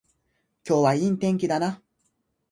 今日はいい天気だな